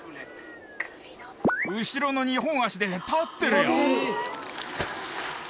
後ろの２本足で立ってるよ！